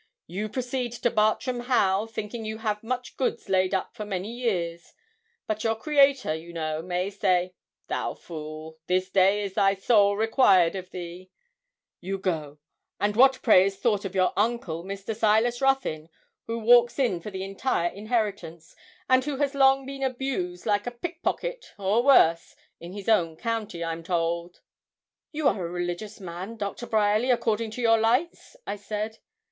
You proceed to Bartram Haugh, thinking you have much goods laid up for many years; but your Creator, you know, may say, "Thou fool, this day is thy soul required of thee." You go and what pray is thought of your uncle, Mr. Silas Ruthyn, who walks in for the entire inheritance, and who has long been abused like a pickpocket, or worse, in his own county, I'm told?' 'You are a religious man, Doctor Bryerly, according to your lights?' I said.